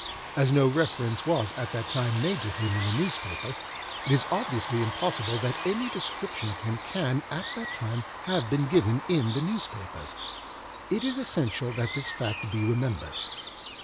As no reference was at that time made to him in the newspapers, it is obviously impossible that any description of him can at that time have been given in the newspapers. It is essential that this fact be remembered.